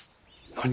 何？